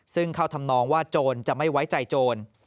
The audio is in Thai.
ซึ่งเข้าทำนองว่าโจรจะไม่ไว้ใจโจร